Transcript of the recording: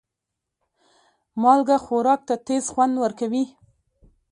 مالګه خوراک ته تیز خوند ورکوي.